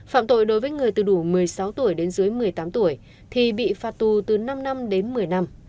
phạm tội đối với người từ đủ một mươi sáu tuổi đến dưới một mươi tám tuổi thì bị phạt tù từ năm năm đến một mươi năm